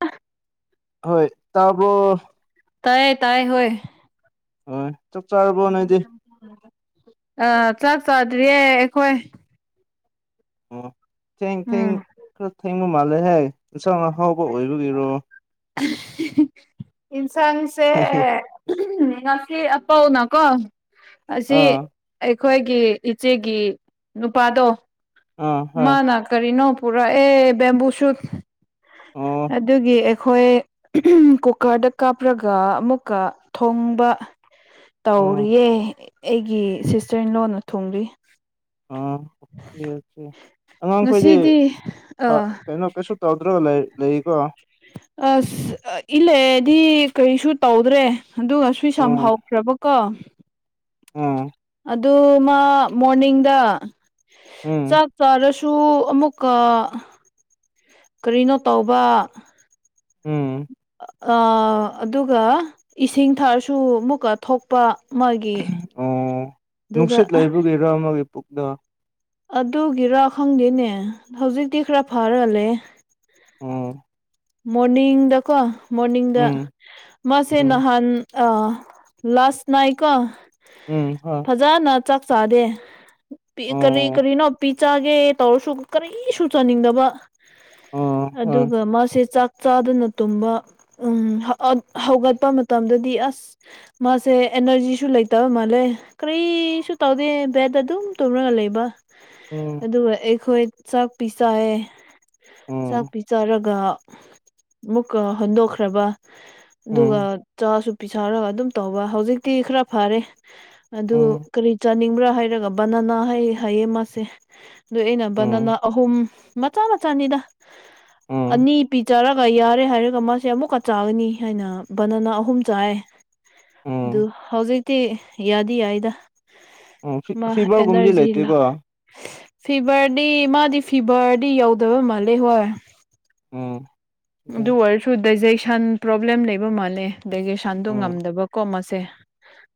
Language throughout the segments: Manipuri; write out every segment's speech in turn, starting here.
ꯑ ꯍꯣꯏ ꯇꯔꯕꯣ ꯇꯥꯏꯌꯦ ꯇꯥꯏ ꯍꯣꯏ ꯍꯣꯏ ꯆꯞ ꯆꯥꯔꯕꯣ ꯅꯣꯏꯗꯤ ꯑꯥ ꯆꯞ ꯆꯥꯗ꯭ꯔꯤꯌꯦ ꯑꯩꯈꯣꯏ ꯑꯣ ꯊꯦꯡ ꯊꯦꯡ ꯎꯝ ꯍꯪꯒ ꯃꯥꯜꯂꯦꯍꯦ ꯏꯟꯁꯥꯡ ꯑꯍꯥꯎꯕ ꯑꯣꯏꯕꯒꯤꯔꯣ ꯏꯟꯁꯥꯡꯁꯦꯉ ꯁꯤ ꯑ ꯄꯥꯎꯅ ꯀꯣ ꯑꯁꯤ ꯑꯁꯤ ꯑꯥ ꯑꯩꯈꯣꯏꯒꯤ ꯏꯆꯦꯒꯤ ꯅꯨꯄꯥꯗꯣ ꯑꯥ ꯍꯣꯏ ꯃꯥꯅ ꯀꯔꯤꯅꯣ ꯄꯨꯔꯥ ꯑꯦ ꯕꯦꯝꯕꯨ ꯁꯨꯠ ꯑꯣ ꯑꯗꯨꯒꯤ ꯑꯩꯈꯣꯏ ꯀꯨꯀꯔꯗ ꯀꯥꯞ꯭ꯔꯒ ꯑꯃꯨꯛꯀ ꯊꯣꯡꯕ ꯑꯣ ꯇꯧꯔꯤꯌꯦ ꯑꯩꯒꯤ ꯁꯤꯁꯇꯔꯟ ꯂꯣꯟꯅ ꯊꯨꯡꯂꯤ ꯑꯥ ꯑꯣꯀꯦ ꯑꯣꯀꯦ ꯑꯉꯥꯡꯈꯣꯏꯗꯤ ꯉꯁꯤꯗꯤ ꯑꯥ ꯀꯩꯅꯣ ꯀꯩꯁꯨ ꯇꯧꯗ꯭ꯔꯣꯒ ꯂꯩ ꯂꯩꯀꯣ ꯑꯁ ꯏꯜꯂꯗꯤ ꯀꯩꯁꯨ ꯇꯧꯗ꯭ꯔꯦ ꯑꯗꯨꯒꯁꯨꯏ ꯁꯝ ꯍꯥꯎꯈ꯭ꯔꯕꯀꯣ ꯑꯝ ꯑꯗꯨ ꯃꯣꯔꯅꯤꯡꯗ ꯆ ꯎꯝ ꯆꯔꯁꯨ ꯁꯨ ꯑꯃꯨꯛꯀ ꯀꯔꯤꯅꯣ ꯇꯧꯕ ꯎꯝ ꯑꯗꯨꯒ ꯏꯁꯤꯡ ꯊꯥꯔꯁꯨ ꯑꯃꯨꯛꯀ ꯊꯣꯛꯄ ꯃꯥꯒꯤ ꯑꯣ ꯑꯗꯨꯗ ꯅꯨꯡꯁꯤꯠ ꯂꯩꯕꯒꯤ ꯏꯔ ꯑꯃꯒꯤ ꯄꯨꯛꯗ ꯑꯗꯨꯒꯤꯔꯥ ꯈꯪꯗꯦꯅꯦ ꯍꯧꯖꯤꯛꯇꯤ ꯈꯔ ꯐꯥꯔꯒꯥ ꯂꯩꯌ ꯎ ꯃꯣꯔꯅꯤꯡꯗꯀꯣ ꯃꯣꯔꯅꯤꯡꯗ ꯎꯝ ꯃꯥꯁꯦ ꯎꯝ ꯅꯍꯥꯟ ꯑ ꯂꯁ ꯏꯀꯣ ꯎꯝ ꯍ ꯆꯥꯛ ꯆꯥꯗꯦ ꯀꯔꯤ ꯑꯣ ꯀꯔꯤꯅꯣ ꯄꯤ ꯆꯒꯦ ꯇꯧꯔꯁꯨ ꯀꯔꯤꯁꯨ ꯆꯥꯅꯤꯡꯗꯕ ꯑꯣ ꯍꯣꯏ ꯑꯗꯨꯒ ꯃꯥꯁꯦ ꯆꯥꯛ ꯆꯅ ꯇ ꯎ ꯍꯧꯒꯠꯄ ꯃꯇꯝꯗꯗꯤ ꯑꯁ ꯃꯥꯁꯦ ꯁ ꯑꯦꯅꯔꯖꯤꯁꯨ ꯂꯩꯇꯕ ꯃꯥꯜꯂꯦ ꯀꯔꯤꯁꯨ ꯇꯧꯗꯦ ꯕꯦꯗ ꯑꯗꯨꯝ ꯇꯨꯝꯔꯒ ꯂꯩꯕ ꯎꯝ ꯑꯗꯨꯒ ꯑꯩꯈꯣꯏ ꯆꯥꯛ ꯄꯤ ꯆꯥꯏ ꯆꯥꯛ ꯎꯝ ꯄꯤ ꯆꯥꯔꯒ ꯃꯨꯛꯀ ꯍꯣꯟꯗꯣꯛꯈ꯭ꯔꯕ ꯑꯗꯨꯒ ꯎꯝ ꯆꯥꯁꯨ ꯄꯤꯁꯥꯎꯔꯒ ꯑꯗꯨꯝ ꯇꯧꯕ ꯍꯧꯖꯤꯛꯇꯤ ꯈꯔ ꯐꯔꯦ ꯑꯗꯨ ꯎꯝ ꯀꯔꯤ ꯆꯠ ꯊꯅꯤꯡꯕ꯭ꯔꯥ ꯍꯥꯏꯔꯒ ꯕꯅꯅꯥ ꯍꯥꯏꯌꯦ ꯍꯥꯏꯌꯦ ꯃꯥꯁꯦ ꯑꯗꯨ ꯑꯩꯅ ꯎꯝ ꯕꯅꯅꯥ ꯑꯍꯨꯝ ꯃꯆꯥ ꯃꯆꯥꯅꯤꯗ ꯎꯝ ꯑꯅꯤ ꯆꯥꯔꯒ ꯌꯥꯔꯦ ꯍꯥꯏꯔꯒ ꯃꯥꯁꯦ ꯑꯃꯨꯛꯀ ꯆꯥꯒꯅꯤ ꯍꯥꯏꯅ ꯕꯅꯅ ꯑꯍꯨꯝ ꯆꯥꯏꯑꯦ ꯑꯗꯨ ꯎꯝ ꯍꯧꯖꯤꯛꯇꯤ ꯌꯥꯗꯤ ꯌꯥꯏꯗ ꯎꯝ ꯃꯥ ꯐꯤꯚꯔꯒꯨꯝꯕꯗꯤ ꯑꯦꯅꯔꯖꯤꯏꯂ ꯂꯩꯇꯦꯀꯣ ꯐꯤꯚꯔꯗꯤ ꯃꯥꯗꯤ ꯐꯤꯚꯔꯗꯤ ꯌꯧꯗꯕ ꯃꯥꯜꯂꯦ ꯍꯣꯏ ꯎꯝ ꯑꯗꯨ ꯑꯣꯏꯔꯁꯨ ꯗꯥꯏꯖꯦꯁꯟ ꯄ꯭ꯔꯣꯕ꯭ꯂꯦꯝ ꯂꯩꯕ ꯃꯥꯜꯂꯦ ꯗꯥꯏꯖꯦꯁꯟꯗꯣ ꯉꯝꯗꯕꯀꯣ ꯁꯦ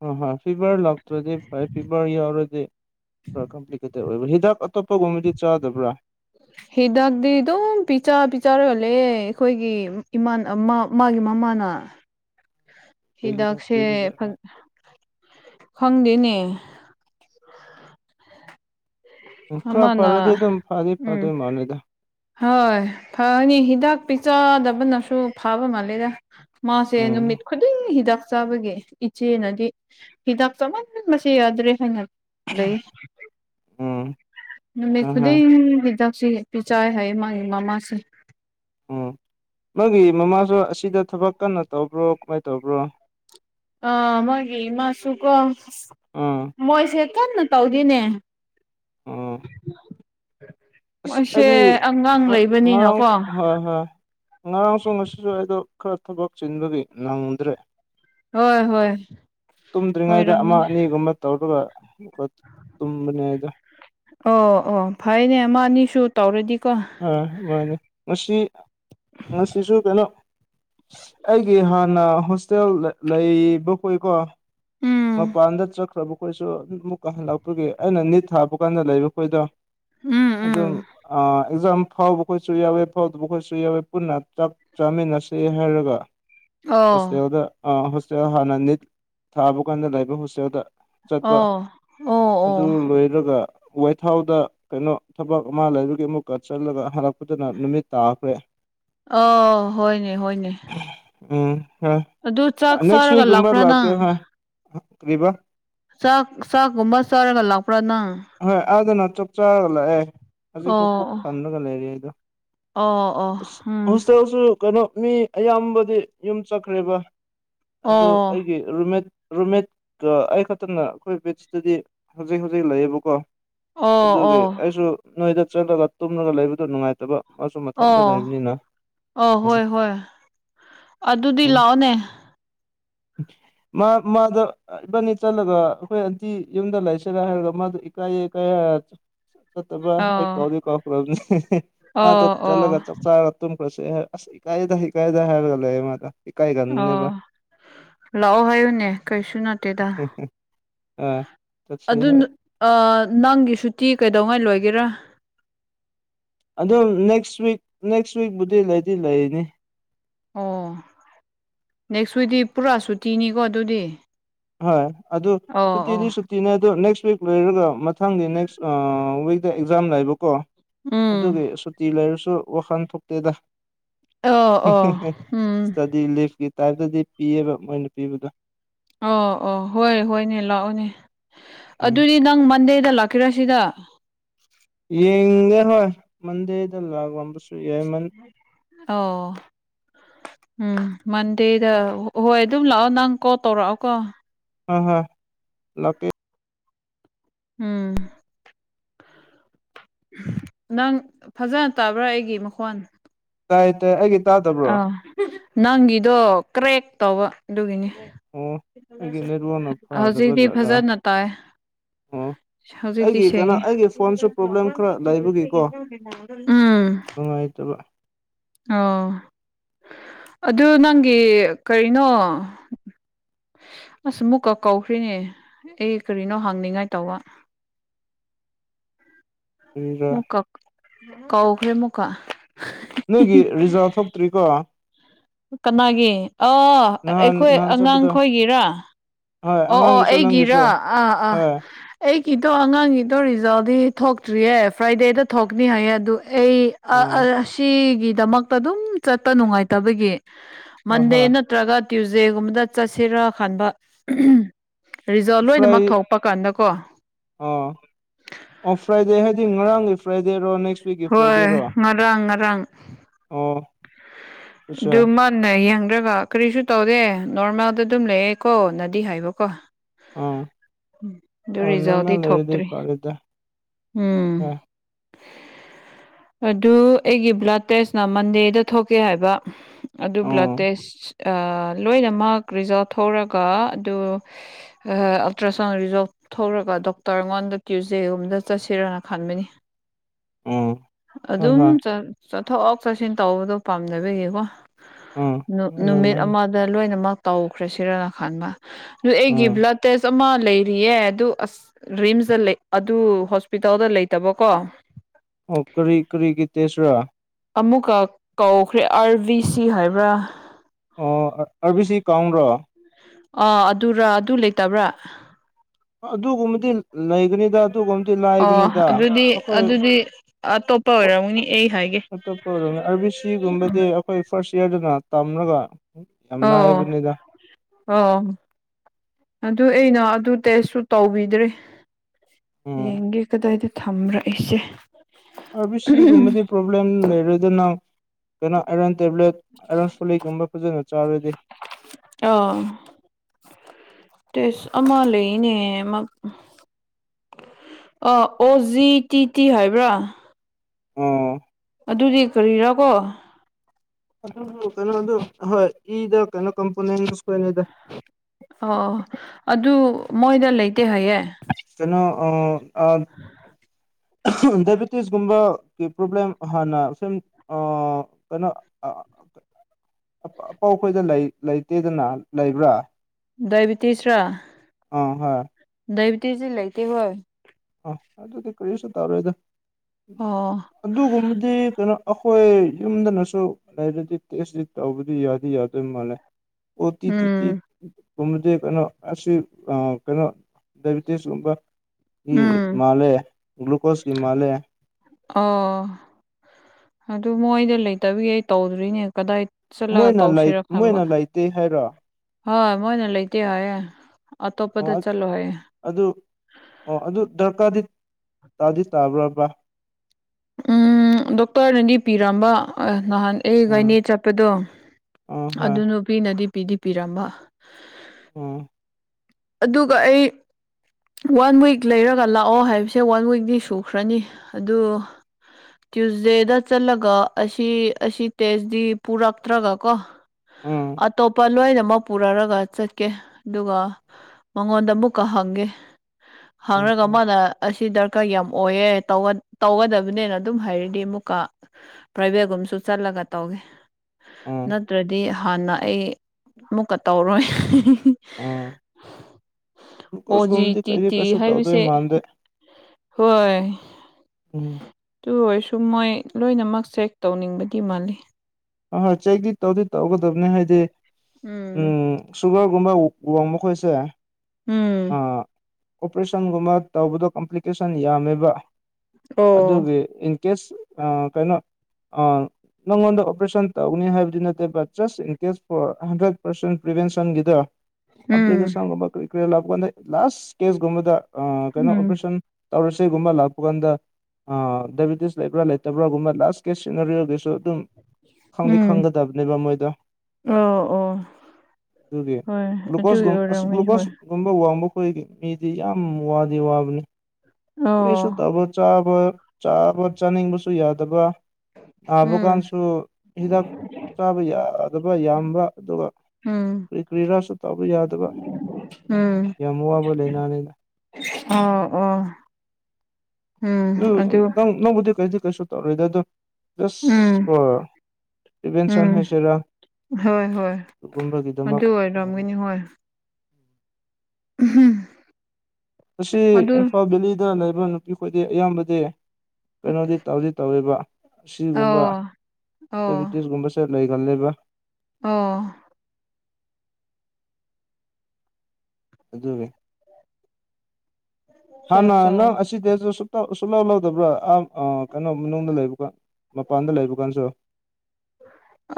ꯑꯣꯏ ꯍꯣꯏ ꯐꯤꯚꯔ ꯂꯥꯛꯇ꯭ꯔꯗꯤ ꯐꯔꯦ ꯐꯤꯚꯔ ꯌꯥꯎꯔꯗꯤ ꯈ ꯀꯝꯄꯂꯤꯀꯦꯇꯦꯠ ꯑꯣꯏꯕ꯭ꯔꯥ ꯍꯤꯗꯥꯛ ꯑꯇꯣꯞꯄꯒꯨꯝꯕꯗꯤ ꯆꯥꯗꯕ꯭ꯔꯥ ꯍꯤꯗꯥꯛꯗꯤꯤ ꯑꯗꯨꯝ ꯄꯤꯆꯥ ꯄꯤꯆꯥꯔꯒꯂꯦ ꯑꯩꯈꯣꯏꯒꯤ ꯏꯃꯥ ꯃꯥꯒꯤ ꯃꯃꯥ ꯑꯅ [unintelligible] ꯀꯩ ꯍꯤꯗꯥꯛ ꯍꯤꯗꯥꯛꯁꯦ ꯄꯤꯕꯖꯥꯠꯔꯥ ꯈꯪꯗꯦꯅꯦ ꯎꯝ ꯐꯔ ꯑꯃꯅ ꯐꯔꯗꯤ ꯑꯗꯨꯝ ꯐꯗꯤ ꯎꯝ ꯐꯥꯗꯣꯏ ꯃꯥꯜꯂꯦꯗ ꯍꯣꯏ ꯐꯅꯤ ꯍꯤꯗꯥꯛ ꯄꯤꯖꯗꯕ ꯅꯁꯨ ꯐꯥꯕ ꯃꯥꯜꯂꯦꯗ ꯃꯥꯁꯦ ꯎꯝ ꯅꯨꯃꯤꯠ ꯈꯨꯗꯤꯡꯒꯤ ꯍꯤꯗꯛ ꯆꯥꯛ ꯆꯥꯕꯒꯤ ꯏꯆꯦꯅꯗꯤ ꯍꯤꯗꯥꯛ ꯆꯥꯃꯟꯕꯁ ꯌꯥꯗ꯭ꯔꯦ ꯍꯥꯏꯅꯦ ꯂꯩ ꯎꯝ ꯅꯨꯃꯤꯠ ꯑ ꯍ ꯈꯨꯗꯤꯡ ꯍꯤꯗꯥꯛꯁꯤꯄꯤꯤ ꯆꯥꯏ ꯍꯥꯏꯌꯦ ꯃꯥꯒꯤ ꯃꯃꯥꯁꯦ ꯎꯝ ꯃꯥꯒꯤ ꯃꯃꯥꯁꯨ ꯑꯁꯤꯗ ꯊꯕꯛ ꯀꯟꯅ ꯇꯧꯕ꯭ꯔꯣ ꯀꯃꯥꯏꯅ ꯇꯧꯕ꯭ꯔꯣ ꯑ ꯃꯒꯤ ꯏꯃꯁꯨ ꯀꯣ ꯎꯝ ꯃꯣꯏꯁꯦ ꯀꯟꯅ ꯇꯧꯒꯦꯅꯦ ꯎꯝ ꯑꯁ ꯃꯣꯏꯁꯦ ꯑꯩꯗꯤ ꯑꯉꯥꯡ ꯉꯥꯡ ꯂꯩꯕꯅꯤꯅꯀꯣ ꯍꯣꯏ ꯍꯣꯏ ꯉꯔꯥꯡꯁꯨ ꯉꯁꯤꯁꯨ ꯑꯩꯗꯣ ꯈꯔ ꯊꯕꯛ ꯆꯤꯟꯕꯒꯤ ꯅꯪꯉꯨꯗ꯭ꯔꯦ ꯍꯣꯏ ꯍꯣꯏ ꯇꯨꯝꯗ꯭ꯔꯤꯉꯩꯗ ꯑꯃ ꯑꯣꯏꯔꯝꯒꯅꯤ ꯑꯅꯤꯒꯨꯝꯕ ꯇꯧꯔꯒ ꯇꯨꯝꯅꯦ ꯍꯥꯏꯗ ꯑꯣ ꯑꯣ ꯐꯩꯅꯦ ꯃꯥꯅꯤꯁꯨ ꯇꯧꯔꯗꯤ ꯍ ꯃꯥꯅꯤ ꯃꯁꯤ ꯃꯁꯤꯁꯨ ꯀꯩꯅꯩꯅꯣ ꯑꯩꯒꯤ ꯍꯥꯟꯅ ꯍꯣꯁꯇꯦꯜ ꯂꯩꯕ ꯀꯣꯏꯀꯣ ꯎꯝ ꯃꯄꯥꯟꯗ ꯆꯠꯈ꯭ꯔꯕ ꯈꯣꯏꯁꯨ ꯑꯃꯨꯛꯀ ꯍꯜꯂꯛꯄꯒꯤ ꯑꯩꯅ ꯅꯤꯠ ꯊꯥꯕ ꯀꯥꯟꯗ ꯂꯩꯕ ꯈꯈꯣꯏꯗꯣ ꯑꯗꯨ ꯎꯝ ꯎꯝ ꯑꯗꯨꯝ ꯑ ꯑꯦꯛꯖꯥꯝ ꯐꯥꯎꯕ ꯑꯩꯈꯠꯁꯨ ꯌꯥꯎꯋꯦ ꯐꯥꯎꯗꯕ ꯑꯩꯈꯠꯁꯨ ꯌꯥꯎꯋꯦ ꯄꯨꯟꯅ ꯆꯥꯛ ꯆꯥꯃꯤꯟꯅꯁꯦ ꯍꯥꯏꯔꯒ ꯑꯣ ꯍꯣꯁꯇꯦꯜꯗ ꯍꯣꯁꯇꯦꯜ ꯍꯥꯟꯅ ꯅꯤꯠ ꯊꯥꯕ ꯀꯥꯟꯗ ꯂꯩꯕ ꯍꯣꯁꯇꯦꯜꯗ ꯆꯠꯄ ꯑꯣ ꯑꯣ ꯑꯣ ꯑꯗꯨ ꯂꯣꯏꯔꯒ ꯋꯥꯏꯊꯥꯎꯗ ꯀꯩꯅꯣ ꯊꯕꯛ ꯑꯃ ꯂꯩꯔꯒꯤ ꯑꯃꯨꯛꯀ ꯆꯠꯂꯒ ꯍꯥꯏꯔꯛꯄ ꯍꯥꯗꯨꯅ ꯅꯨꯃꯤꯠ ꯇꯥꯈ꯭ꯔꯦ ꯑ ꯍꯣꯏꯅꯦ ꯍꯣꯏꯅꯦ ꯎꯝ ꯑꯗꯨ ꯆꯥꯛ ꯆꯥꯔꯒ ꯅꯦꯛꯁꯛ ꯎꯝꯕ ꯂꯥꯛꯄ꯭ꯔꯥ ꯂꯥꯛꯀ ꯅꯪ ꯍꯥꯏ ꯀꯔꯤꯕꯥ ꯆꯥꯛ ꯆꯒꯨꯝꯕ ꯆꯔꯒ ꯂꯥꯎ ꯍꯣꯏ ꯑꯗꯨꯥꯗꯅ ꯆꯞ ꯆꯥꯔꯒ ꯂꯥꯛꯑꯦ ꯍꯧꯖꯤꯛꯐꯥꯎ ꯄꯨꯛ ꯑꯣ ꯊꯜꯂꯒ ꯂꯩꯔꯤ ꯑꯩꯗꯣ ꯑꯣ ꯑꯣ ꯑ ꯎꯝ ꯍꯣꯁꯇꯦꯜꯁꯨ ꯀꯩꯅꯣ ꯃꯤ ꯑꯌꯥꯝꯕꯗꯤ ꯌꯨꯝ ꯆꯠꯈ꯭ꯔꯦꯕ ꯑꯗꯨ ꯑꯣ ꯑꯩꯒꯤ ꯔꯨꯝꯃꯦꯠ ꯔꯨꯝꯃꯦꯠꯀ ꯑꯩ ꯈꯛꯇꯅ ꯑꯩꯈꯣꯏ ꯕꯦꯠꯁꯤꯇꯗꯤ ꯍꯧꯖꯤꯛ ꯍꯧꯖꯤꯛ ꯂꯩꯌꯦꯕꯀꯣ ꯑꯣ ꯑꯗꯨꯒꯤ ꯑꯣ ꯑꯩꯁꯨ ꯅꯣꯏꯗ ꯆꯠꯂꯒ ꯇꯨꯝꯂꯒ ꯂꯩꯕꯗꯣ ꯅꯨꯡꯉꯥꯏꯇꯕ ꯃꯥꯁꯨ ꯃꯊꯟꯇ ꯑꯣ ꯂꯩꯕꯅꯤꯅ ꯑ ꯎꯝ ꯍꯣꯏ ꯍꯣꯏ ꯑꯗꯨꯗꯤ ꯎꯝ ꯂꯥꯛꯑꯣꯅꯦ [unintelligible] [inaudible] ꯃꯥ ꯃꯥꯗ ꯏꯕꯥꯅꯤ ꯆꯠꯂꯒ ꯑꯩꯈꯣꯏ ꯑꯟꯇꯤ ꯌꯨꯝꯗ ꯂꯥꯛꯁꯤꯔꯦ ꯍꯥꯏꯔꯒ ꯃꯥꯗꯣ ꯀ ꯀ [unintelligible] [inaudible] ꯆꯠꯇꯕ ꯑꯩ ꯑꯣ ꯀꯧꯗꯤ ꯀꯥꯎꯈ꯭ꯔꯣꯕꯅꯦ ꯑꯗ ꯑꯣ ꯆꯠꯂꯒ ꯑꯣ ꯆ ꯆꯥꯒ ꯦ ꯍ ꯀꯥꯏꯗ ꯍ ꯀꯥꯏꯗ ꯍꯥꯏꯔꯒꯂꯦ ꯃꯥꯥ ꯑꯣ ꯂꯑꯣ ꯍꯥꯏꯌꯨꯅꯦ ꯀꯩꯁꯨ ꯅ ꯇꯦꯗꯥ ꯑ ꯆꯠꯁ ꯍꯣꯏ ꯅꯪꯒꯤ ꯁꯨꯇꯤ ꯀꯩꯗꯧꯉꯥꯏ ꯂꯣꯏꯒꯦꯔꯥ ꯑꯗꯨꯝ ꯅꯦꯛꯁ ꯋꯤꯛ ꯅꯦꯛꯁ ꯋꯤꯛꯄꯨꯗꯤ ꯂꯩꯗꯤ ꯂꯩꯔꯤꯅꯤ ꯑꯣ ꯅꯦꯛꯁ ꯋꯤꯛꯗꯤ ꯄꯨꯔꯥ ꯁꯨꯇꯤꯅꯤꯀꯣ ꯑꯗꯨꯗꯤ ꯍꯣꯏ ꯑꯗꯨ ꯑꯣ ꯁꯨꯇꯤꯗꯤ ꯑꯣ ꯁꯨꯇꯤꯅꯦ ꯑꯗꯨꯣ ꯅꯦꯛꯁ ꯋꯤꯛ ꯂꯣꯏꯔꯒ ꯃꯊꯪꯒꯤ ꯅꯦꯛꯁ ꯋꯤꯛꯇ ꯑꯦꯛꯖꯥꯝ ꯂꯩꯕꯀꯣ ꯎꯝ ꯑꯗꯨꯒꯤ ꯁꯨꯇꯤ ꯂꯩꯔꯁꯨ ꯋꯥꯈꯜ ꯊꯣꯛꯇꯦꯗ ꯑꯣ ꯑꯣ ꯎꯝ ꯏꯁꯇꯗꯤ ꯂꯤꯐꯀꯤ ꯇꯥꯏꯞꯇꯗꯤ ꯄꯤꯌꯦꯕ ꯃꯣꯏꯅ ꯄꯤꯕꯗꯣ ꯑꯣ ꯑꯣ ꯍꯣꯏ ꯍꯣꯏꯅꯦ ꯂꯥꯛꯑꯣꯅꯦ ꯎꯝ ꯑꯗꯨꯗꯤ ꯅꯪ ꯃꯟꯗꯦ ꯁꯤꯗ ꯂꯥꯛꯀꯔꯣ ꯁꯤꯗ ꯦ ꯍꯣꯏ ꯃꯟꯗꯦꯗ ꯂꯥꯛ ꯑꯣ ꯎꯝ ꯃꯟꯗꯦꯗ ꯍꯣꯏ ꯑꯗꯨꯝ ꯂꯥꯛꯑꯣ ꯅꯪ ꯀꯣꯜ ꯇꯧꯔꯛꯑꯣ ꯀꯣ ꯑꯝ ꯍ ꯂꯀꯦ ꯎꯝ ꯅꯪ ꯐꯖꯅ ꯇꯥꯕ꯭ꯔꯥ ꯑꯩꯒꯤ ꯃꯈꯣꯟ ꯇꯥꯏ ꯇꯥꯏ ꯑꯩꯒꯤ ꯇꯥꯗꯕ꯭ꯔꯣ ꯑ ꯅꯪꯒꯤꯗꯣ ꯀ꯭ꯔꯦꯛ ꯇꯧꯕ ꯑꯗꯨꯒꯤꯅꯤ ꯑꯣ ꯑꯩꯒꯤ ꯅꯦꯠꯋꯥꯛꯅ ꯍꯧꯖꯤꯛꯇꯤ ꯐꯖꯅ ꯇꯥꯏ ꯑꯥ ꯍꯧꯖꯤꯛꯇꯤ ꯑꯩꯒꯤ ꯀꯩꯅꯣ ꯁꯦꯡꯉꯤ ꯑꯩꯒꯤ ꯐꯣꯟꯁꯨ ꯄ꯭ꯔꯣꯕ꯭ꯂꯦꯝ ꯈꯔ ꯂꯩꯕꯒꯤꯀꯣ ꯎꯝ ꯅꯨꯡꯉꯥꯏ ꯆꯂ ꯑꯣ ꯑꯗꯨ ꯅꯪꯒꯤ ꯀꯔꯤꯅꯣ ꯑꯁ ꯃꯨꯛꯀ ꯀꯧꯈ꯭ꯔꯤꯅꯦ ꯑꯩ ꯀꯔꯤꯅꯣ ꯍꯪꯅꯤꯡꯉꯥꯏ ꯇꯧꯕ ꯀꯔꯤꯔꯥ ꯃꯀ ꯀꯧꯈꯦ ꯃꯨꯀ ꯅꯒꯤ ꯔꯤꯖꯥ ꯊꯇ꯭ꯔꯤꯀꯣ ꯀꯅꯥꯒꯤ ꯑꯥ ꯅꯍꯥꯟ ꯑꯩꯈꯣꯏ ꯅꯍꯥꯟ ꯑꯉꯥꯡ ꯆꯠꯄꯗꯣ ꯈꯣꯏꯒꯤꯔꯥ ꯍꯣꯏ ꯑꯣ ꯑꯣ ꯑꯉꯥꯡꯒꯤꯁꯨ ꯅꯪꯒꯤꯁꯨ ꯑꯩꯒꯤꯔ ꯑꯥ ꯑꯥ ꯍꯣꯏ ꯑꯩꯒꯤꯗꯣ ꯑꯉꯥꯡꯒꯤꯗꯣ ꯔꯤꯖꯥꯜꯗꯤ ꯊꯣꯛꯇ꯭ꯔꯤꯌꯦ ꯐ꯭ꯔꯥꯏꯗꯦꯗ ꯊꯣꯛꯅꯤ ꯍꯥꯏꯌꯦ ꯑꯗꯨ ꯑꯩ ꯑꯥ ꯁꯤ ꯗꯃꯛꯇ ꯑꯗꯨꯝ ꯆꯠꯄ ꯅꯨꯡꯉꯥꯏꯇꯕꯒꯤ ꯍꯣꯏ ꯃꯟꯗꯦ ꯍꯣꯏ ꯅꯠꯇ꯭ꯔꯒ ꯇ꯭ꯌꯨꯁꯗꯦꯒꯨꯝꯕꯗ ꯆꯠꯁꯤꯔꯥ ꯈꯕ ꯔꯤꯖꯜ ꯂꯣꯏꯅꯃꯛ ꯊꯣꯛꯂꯛꯄ ꯀꯥꯟꯗ ꯀꯣ ꯑꯣ ꯑꯣ ꯐ꯭ꯔꯥꯏꯗꯦ ꯍꯥꯏꯗꯤ ꯉꯔꯥꯡꯒꯤ ꯐ꯭ꯔꯥꯏꯗꯦꯔꯣ ꯅꯦꯛꯁ ꯋꯤꯛꯀꯤ ꯍꯣꯏ ꯐ꯭ꯔꯥꯏꯗꯦꯔꯣ ꯉꯔꯥꯡ ꯉꯔꯥꯡ ꯑꯣ ꯑꯠꯆꯥ ꯑꯗꯨꯃꯥꯟꯅ ꯌꯦꯡ ꯍꯥꯏꯔꯒ ꯀꯔꯤꯁꯨ ꯇꯧꯗꯦ ꯅꯣꯔꯃꯦꯜꯗ ꯑꯗꯨꯝ ꯂꯩꯌꯦ ꯀꯣ ꯅꯗꯤ ꯍꯥꯏꯕꯀꯣ ꯑꯥ [unintelligible] [inaudible] ꯑꯗꯨ ꯑꯥ ꯔꯤꯖꯥꯜꯗꯤ ꯅꯣꯔꯃꯦꯜ ꯂꯩꯔꯗꯤ ꯊꯣꯛꯇ꯭ꯔꯤ ꯐꯔꯦꯗ ꯎꯝ ꯍꯣꯏ ꯑꯗꯨ ꯑꯩꯒꯤ ꯕ꯭ꯂꯠ ꯇꯦꯁꯅ ꯃꯟꯗꯦꯗ ꯊꯣꯛꯀꯦ ꯍꯥꯏꯕ ꯑꯗꯨ ꯑꯥ ꯕ꯭ꯂꯗ ꯇꯦꯁ ꯂꯣꯏꯅꯃꯛ ꯔꯤꯖꯥꯜ ꯊꯧꯔꯒ ꯑꯗꯨ ꯑꯜꯇ꯭ꯔꯥꯁꯥꯎꯟ ꯔꯤꯖꯣꯕ ꯊꯧꯔꯒ ꯗꯣꯛꯇꯔ ꯑꯩꯉꯣꯟꯗ ꯀ꯭ꯌꯨꯖꯗꯦꯒꯨꯝꯗ ꯆꯠꯁꯤꯔꯅ ꯈꯟꯕꯅꯤ ꯑꯥ ꯍꯣꯏ ꯑꯗꯨꯝ ꯍꯣꯏ ꯆꯠꯊꯣꯛꯛ ꯆꯠꯁꯤꯟ ꯇꯧꯕꯗꯣ ꯄꯥꯝꯅꯕꯤꯩꯌꯦꯀꯣ ꯑꯥ ꯃꯥꯅꯦ ꯅꯨꯃꯤꯠ ꯃꯥꯅꯦ ꯑꯃꯗ ꯂꯣꯏꯅꯃꯛ ꯇꯧꯈ꯭ꯔꯦ ꯁꯤꯔꯅ ꯈꯥꯟꯕ ꯑꯥ ꯑꯩꯒꯤꯕꯂ ꯇ ꯑꯃ ꯂꯩꯔꯤꯌꯦ ꯑꯗꯨ ꯑꯁ ꯔꯤꯝꯁꯇ ꯑꯗꯨ ꯍꯣꯁꯄꯤꯇꯥꯜꯗ ꯂꯩꯇꯕꯀꯣ ꯑꯣ ꯀꯔꯤ ꯀꯔꯤꯇ ꯁꯔ ꯑꯃꯨꯛꯀ ꯀꯧꯈ꯭ꯔꯦ ꯑꯥꯔꯕꯤ ꯁꯤ ꯍꯥꯏꯕ꯭ꯔꯥ ꯑꯣ ꯑꯥꯔꯕꯤꯁꯤ ꯀꯥꯎ꯭ꯔꯣ ꯑꯥ ꯑꯗꯨꯔ ꯑꯗꯨ ꯂꯩꯇꯕ꯭ꯔꯥ ꯑꯗꯨꯒꯨꯝꯕꯗꯤ ꯂꯩꯒꯅꯤꯗ ꯑꯗꯨꯒꯨꯝꯕꯗꯤ ꯑꯣ ꯂꯥꯏꯕꯅꯤꯗ ꯑꯗꯨꯗꯤ ꯑꯩꯈꯣꯏ ꯑꯗꯨꯗꯤ ꯑꯇꯣꯞꯄ ꯑꯣꯏꯔꯝꯒꯅꯤ ꯑꯩ ꯍꯥꯏꯒꯦ ꯑꯇꯣꯞꯄ ꯑꯥꯔꯕꯤ ꯁꯤꯒꯨꯝꯕꯗꯤ ꯑꯩꯈꯣꯏ ꯐꯥꯔꯁ ꯏꯌꯥꯔꯗꯅ ꯇꯝꯂꯒ ꯑꯣ ꯑꯣ ꯑꯗꯨ ꯑꯩꯅ ꯑꯗꯨ ꯇꯦꯁꯁꯨ ꯇꯧꯕꯤꯗ꯭ꯔꯦ ꯎꯝ ꯌꯦꯡꯒꯦ ꯀꯗꯥꯏꯗ ꯊꯝꯔꯛꯏꯁꯦ ꯑꯕꯤ ꯁꯤꯒꯨꯝꯕꯗꯤ ꯄ꯭ꯔꯣꯕ꯭ꯂꯦꯝ ꯂꯩꯔꯣꯏꯗꯅ ꯀꯩꯅꯣ ꯑꯥꯏꯔꯟ ꯇꯦꯕ꯭ꯂꯦꯠ ꯑꯥꯏꯔꯟ ꯁꯣꯂꯤꯛꯒꯨꯝꯕ ꯐꯖꯅ ꯆꯥꯔꯗꯤ ꯑ [unintelligible] [inaudible] ꯇ ꯑꯃꯃꯥ ꯂꯩꯅꯦ ꯑ ꯑꯣ ꯖꯤ ꯇꯤ ꯇꯤ ꯍꯥꯏꯕ꯭ꯔꯥ ꯑꯣ ꯑꯗꯨꯗꯤ ꯀꯔꯤꯔꯀꯣ ꯑꯗꯨꯕꯨ ꯀꯩꯅꯣꯗꯨꯣ ꯍꯣꯏ ꯏꯗ ꯀꯩꯅꯣ ꯀꯝꯄꯣꯅꯦꯟꯗꯨ ꯈꯣꯏꯅꯦꯗ ꯑꯣ ꯑꯗꯨ ꯃꯣꯏꯗ ꯂꯩꯇꯦ ꯍꯥꯏꯌꯦꯦ ꯑ ꯑ [unintelligible] [inaudible] ꯗꯥꯏꯕꯤꯦꯇꯤꯁꯀꯨꯝꯕꯒꯤ ꯄ꯭ꯔꯣꯕ꯭ꯂꯦꯝ ꯍꯥꯟꯅ ꯁꯨꯝ ꯀꯩꯅꯣ ꯑ ꯄꯥꯎ ꯑꯩꯈꯣꯏꯗ ꯂꯩꯇꯦꯗꯅ ꯂꯩꯕ꯭ꯔꯥ ꯗꯏꯕꯤꯦꯇꯤꯁ ꯔ [inaudible] ꯑ ꯍꯣꯏ ꯗꯕꯤꯇꯁꯤ ꯂꯩꯇ ꯍꯣꯏ ꯑꯥ ꯑꯗꯨꯗꯤ ꯀꯔꯤꯁꯨ ꯇꯧꯔꯣꯏꯦꯗ ꯑꯣ ꯑꯗꯨꯒꯨꯝꯕꯗꯤ ꯀꯩꯅꯣ ꯑꯩꯈꯣꯏ ꯌꯨꯝꯗꯅꯁꯨ ꯂꯩꯔꯗꯤ ꯇꯦꯁꯇ ꯇꯧꯕꯗꯤ ꯌꯥꯗꯤ ꯌꯥꯗꯣꯏ ꯃꯥꯜꯂꯦ ꯑꯣ ꯇꯤ ꯇꯤꯤ ꯎꯝ ꯨꯝꯕꯗꯤ ꯀꯩꯅꯣ ꯑꯁꯤ ꯀꯩꯅꯣ ꯗꯥꯏꯕꯤꯇꯤꯁꯀꯨꯝꯕ ꯒꯤ ꯎꯝ ꯃꯥꯂꯦ ꯒ꯭ꯂꯨꯀꯣꯁꯀꯤ ꯃꯥꯂꯦ ꯑꯣꯥ ꯑꯗꯨ ꯃꯣꯏꯗ ꯂꯩꯇꯕꯤꯒꯤ ꯑꯩ ꯇꯧꯗ꯭ꯔꯤꯅꯦ ꯀꯗꯥꯏ ꯆꯠꯂꯒ ꯃꯣꯏꯅ ꯇꯧꯁꯤꯔ ꯈꯟꯕ ꯃꯣꯏꯅ ꯂꯥꯏꯇꯦ ꯍꯥꯏꯔꯣ ꯍꯣꯏ ꯃꯣꯏꯅ ꯂꯩꯣꯏꯇ ꯍ ꯑꯣ ꯑꯗꯨ ꯑꯣ ꯑꯗꯨ ꯗꯔꯀꯥꯔꯗꯤ ꯇꯥꯗꯤ ꯇꯥꯕ꯭ꯔꯕ ꯎꯝ ꯗꯣꯛꯇꯔꯅꯗꯤ ꯄꯤꯔꯝꯕ ꯅꯍꯥꯟ ꯑꯩ ꯒꯥꯏꯅꯦ ꯎꯝ ꯆꯠꯄꯗꯣ ꯑꯥ ꯑꯗꯨ ꯍꯣꯏ ꯅꯨꯄꯤꯅꯗꯤ ꯄꯤꯗꯤ ꯄꯤꯔꯝꯕ ꯎꯝ ꯑꯗꯨꯒ ꯑꯩ ꯋꯥꯟ ꯋꯤꯛ ꯂꯩꯔꯒ ꯂꯥꯛꯑꯣ ꯍꯥꯏꯕꯁꯦ ꯋꯥꯟ ꯋꯤꯛꯗꯤꯤ ꯁꯨꯈ꯭ꯔꯅꯤ ꯑꯗꯨ ꯇ꯭ꯌꯨꯁꯗꯦꯗ ꯆꯠꯂꯒ ꯑꯁꯤ ꯑꯁꯤ ꯇꯦꯁꯗꯤ ꯄꯨꯔꯛꯇ꯭ꯔꯒ ꯀꯣ ꯎꯝ ꯑꯇꯣꯞꯄ ꯂꯣꯏꯅꯃꯛ ꯄꯨꯔꯔꯒ ꯆꯠꯀꯦ ꯑꯗꯨꯒ ꯃꯉꯣꯟꯗ ꯑꯃꯨꯛꯀ ꯍꯪꯒꯦ ꯎꯝ ꯍꯥꯡꯉꯒ ꯎꯝ ꯃꯥꯅ ꯑꯁꯤ ꯗꯔꯔ ꯀ ꯌꯥꯝ ꯑꯣꯏꯌꯦꯦ ꯇꯧꯒꯗꯕꯅꯦꯅ ꯑꯗꯨꯝ ꯍꯥꯏꯔꯗꯤ ꯑꯃꯨꯛꯀ ꯄ꯭ꯔꯥꯏꯚꯦꯠꯀꯨꯝꯕꯁꯨ ꯆꯠꯂꯒ ꯒ ꯇ ꯍꯧꯒꯦ ꯎꯝ ꯅꯠꯇ꯭ꯔꯗꯤ ꯍꯥꯟꯅ ꯑꯩ ꯑꯃꯨꯛꯀ ꯇꯧꯔꯣꯏ ꯎꯝ ꯑꯣꯖꯤ ꯒ꯭ꯂꯨꯀꯣꯁꯒꯨꯝꯕꯗꯤ ꯇꯤ ꯀꯩꯗꯤ ꯇꯤ ꯀꯩꯁꯨ ꯇꯧꯗꯣꯏ ꯍꯥꯏꯕꯁꯦ ꯃꯥꯟꯗꯦ ꯍꯣꯏ ꯎꯝ ꯑꯗꯨ ꯑꯣꯏꯔꯁꯨ ꯃꯣꯏ ꯂꯣꯏꯅꯃꯛ ꯆꯦꯛ ꯇꯧꯅꯤꯡꯕꯗꯤ ꯃꯥꯜꯂꯤ ꯑ ꯍꯣꯏ ꯆꯩꯗꯤ ꯇꯧꯗꯤ ꯇꯧꯒꯗꯕꯅꯤ ꯍꯥꯏꯗꯤ ꯎꯝ ꯁꯨꯒꯔꯒꯨꯝꯕ ꯋꯥꯋꯡ ꯃꯈꯣꯏꯁꯦ ꯎꯝ ꯑꯣꯄꯔꯦꯁꯟꯒꯨꯝꯕ ꯇꯧꯕꯗꯣ ꯀꯝꯄ꯭ꯂꯤꯀꯦꯁꯟ ꯌꯥꯝꯃꯦꯕ ꯑꯣ ꯑꯗꯨꯒꯤ ꯀꯦꯁ ꯀꯩꯅꯣ ꯑ ꯅꯪꯣꯟ ꯑꯣꯄꯔꯦꯁꯟ ꯇꯧꯅꯤ ꯍꯥꯏꯕꯗꯤ ꯅꯠꯇꯦ but just in case four hundred percent ꯄ꯭ꯔꯤꯚꯦꯟꯁꯟꯒꯤꯗ ꯎꯝ ꯀꯝꯄ꯭ꯂꯤꯀꯦꯁꯟꯒꯨꯝꯕ ꯀꯔꯤ ꯀꯔꯤ ꯂꯥꯛꯞꯄ ꯀꯥꯟꯗ ꯂꯥꯁ ꯀꯦꯁꯒꯨꯝꯕꯗ ꯀꯩꯅꯣ ꯎꯝ ꯑꯣꯄꯔꯦꯁꯟ ꯇꯧꯔꯁꯒꯨꯝꯕ ꯂꯥꯛꯄ ꯀꯥꯟꯗ ꯗꯥꯏꯕꯦꯇꯤꯁ ꯂꯩꯕ꯭ꯔꯥ ꯂꯩꯇꯕ꯭ꯔꯥꯒꯨꯝꯕ ꯂꯥꯁ ꯀꯦꯁ ꯁꯤꯅꯔꯤꯑꯣꯒꯤꯁꯨ ꯑꯗꯨꯝ ꯈꯪꯗꯤ ꯎꯝ ꯈꯪꯒꯗꯕꯅꯦꯕ ꯃꯣꯏꯗꯣ ꯑꯣ ꯑꯣ ꯑꯗꯨꯒꯤ ꯍꯣꯏ ꯒ꯭ꯂꯨꯀꯣꯁ ꯑꯗꯨꯒꯤ ꯑꯁ ꯑꯣꯏꯔꯝꯒꯅꯤ ꯍꯣꯏ ꯒ꯭ꯂꯨꯀꯣꯁꯒꯨꯝꯕ ꯋꯥꯡꯕ ꯑꯩꯈꯣꯏꯒꯤ ꯃꯤꯗꯤ ꯌꯥꯝ ꯋꯥꯗꯤ ꯋꯥꯕꯅꯤ ꯑꯣ ꯀꯔꯤꯁꯨ ꯇꯧꯕ ꯆꯥꯕ ꯆꯥꯕ ꯆꯥꯅꯤꯡꯕꯁꯨ ꯌꯥꯗꯕ ꯑꯕꯨ ꯎꯝ ꯀꯥꯟ ꯁꯨ ꯍꯤꯗꯥꯛ ꯆꯥꯕ ꯌꯥꯗꯕ ꯌꯥꯝꯕ ꯑꯗꯨꯒ ꯎꯝ ꯀꯔꯤ ꯀ꯭ꯔꯤꯔꯥꯁꯨ ꯇꯧꯕ ꯌꯥꯗꯕ ꯌꯥꯝ ꯋꯥꯕ ꯂꯥꯏꯅꯥꯅꯤꯗ ꯑ ꯑ ꯎ ꯅꯪ ꯅꯪꯕꯨꯗꯤ ꯀꯩꯗ ꯀꯩꯁꯨ ꯇꯧꯔꯗ ꯑꯗꯨ ꯖ ꯎꯝ ꯀꯣ ꯎꯝ ꯄ꯭ꯔꯤꯚꯦꯟꯁꯟ ꯍꯥꯏꯁꯦꯔꯥ ꯍꯣꯏ ꯍꯣꯏ ꯑꯗꯨ ꯃꯥꯜꯂꯦ ꯑꯣꯏꯔꯝꯒꯅꯤ ꯍꯣꯏ ꯎꯝꯍꯝ ꯑꯁꯤ ꯏꯝꯐꯥꯜ ꯚꯦꯜꯂꯤꯗ ꯂꯩꯕ ꯅꯨꯄꯤꯈꯣꯏꯗꯤ ꯑꯌꯥꯝꯕꯗꯤ ꯀꯩꯅꯣꯗꯤ ꯇꯧꯗꯤ ꯇꯧꯋꯦꯕ ꯑꯁꯤꯒꯨꯝꯕ ꯑꯣ ꯑꯣ ꯗꯥꯏꯕꯤꯇꯤꯁꯒꯨꯝꯕꯁꯦ ꯂꯩꯒꯜꯂꯦꯕ ꯑꯣ ꯑꯗꯨꯒꯤ ꯑꯆꯥ ꯍꯥꯟꯅ ꯑꯆꯥ ꯅꯪ ꯑꯁꯤꯗ ꯁꯨ ꯁꯨꯛ ꯇꯧ ꯁꯨꯛ ꯂꯧ ꯂꯧꯗꯕ꯭ꯔꯥ ꯑꯥ ꯀꯩꯅꯣ ꯃꯅꯨꯡꯗ ꯂꯩꯕꯀꯥꯟ ꯃꯄꯥꯟꯗ ꯂꯩꯕ ꯀꯥꯟꯁꯨ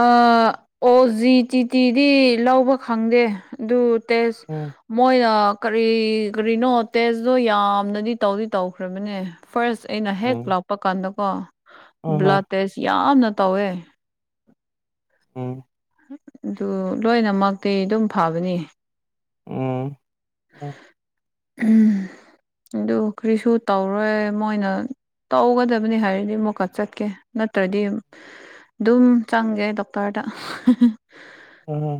ꯑꯣ ꯑꯣ ꯖꯤ ꯇꯤ ꯇꯤꯗꯤ ꯂꯧꯕ ꯈꯪꯗꯦ ꯑꯗꯨ ꯇꯦꯁ ꯎꯝ ꯃꯣꯏꯅ ꯀꯔꯤ ꯀꯔꯤꯅꯣ ꯇꯦꯁꯇꯣ ꯌꯥꯝꯅꯗꯤ ꯇꯧꯗꯤ ꯇꯧꯈ꯭ꯔꯕꯅꯦ ꯐꯥꯔꯁ ꯑꯩꯅ ꯍꯦꯛ ꯎꯝ ꯂꯥꯛꯄ ꯀꯥꯟꯗꯀꯣ ꯍꯣꯏ ꯍꯣꯏ ꯕ꯭ꯂꯗ ꯇꯦꯁ ꯌꯥꯝꯅ ꯇꯧꯋꯦ ꯑꯪ ꯑꯗꯨ ꯂꯣꯏꯅꯃꯛꯇꯤ ꯑꯗꯨꯝ ꯐꯕꯅꯤ ꯎꯝ ꯑ ꯎꯝ ꯑꯗꯨ ꯀꯔꯤꯁꯨ ꯇꯧꯔꯣꯏ ꯃꯣꯏꯅ ꯇꯧꯒꯗꯕꯅꯤ ꯍꯥꯏꯔꯗꯤ ꯑꯃꯨꯛꯀ ꯆꯠꯀꯦ ꯅꯠꯇ꯭ꯔꯗꯤ ꯑꯗꯨꯝ ꯆꯪꯒꯦ ꯗꯣꯛꯇꯔꯗꯥ ꯑꯥ